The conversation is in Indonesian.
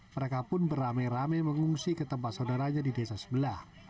mereka pun beramai ramai mengungsi ke tempat saudaranya di desa sebelah